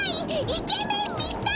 イケメン見たい！